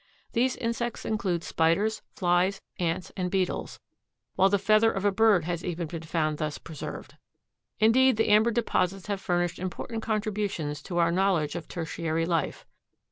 These insects include spiders, flies, ants and beetles, while the feather of a bird has even been found thus preserved. Indeed the amber deposits have furnished important contributions to our knowledge of Tertiary life.